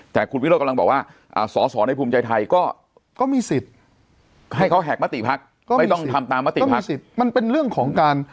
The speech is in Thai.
แต่คุณวิโรธกำลังบอกว่าสอสอในภูมิใจไทยก็มีสิทธิ์ให้เขาแหกมติพักก็ไม่ต้องทำตามมติพักมันเป็นเรื่องของการ